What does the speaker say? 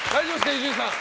伊集院さん。